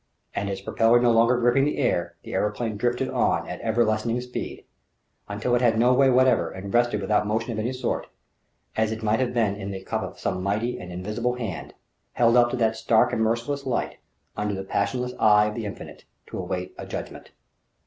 And, its propeller no longer gripping the air, the aeroplane drifted on at ever lessening speed, until it had no way whatever and rested without motion of any sort; as it might have been in the cup of some mighty and invisible hand, held up to that stark and merciless light, under the passionless eye of the Infinite, to await a Judgment....